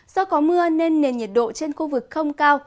do có mưa nên nền nhiệt độ trên khu vực không cao